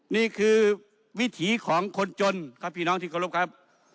นี่คือวิถีของคนจนครับพี่น้องที่เคารพครับ